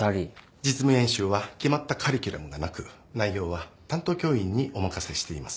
実務演習は決まったカリキュラムがなく内容は担当教員にお任せしています。